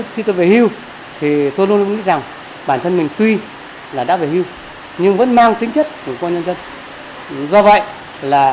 khi tôi về hưu tôi luôn nghĩ rằng bản thân mình tuy đã về hưu nhưng vẫn mang tính chất của công an nhân dân